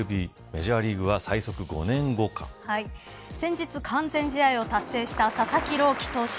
メジャーリーグは先日、完全試合を達成した佐々木朗希投手。